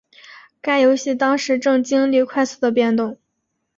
该游戏当时正经历快速的变动。